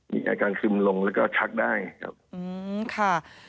มีอาการซึมลงแล้วก็ชักได้ครับค่ะ